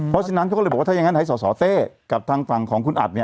เพราะฉะนั้นเขาก็เลยบอกว่าถ้าอย่างนั้นให้สสเต้กับทางฝั่งของคุณอัดเนี่ย